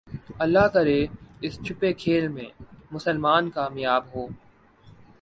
اللہ کرے اس چھپے کھیل میں مسلمان کامیاب ہو